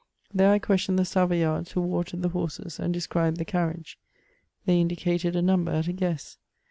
There I questioned Uie Saroyards who watered the horses, and described the carriage ; they indicated a number at a guess.